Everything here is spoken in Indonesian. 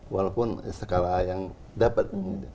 walaupun skala yang dapat